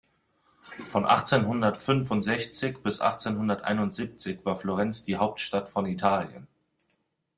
Von achtzehnhundertfünfundsechzig bis achtzehnhunderteinundsiebzig war Florenz die Hauptstadt von Italien.